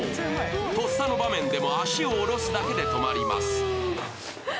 とっさの場面でも足を下ろすだけで止まります。